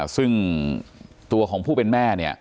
ซึ่งตัวของผู้เป็นแม่เนี่ย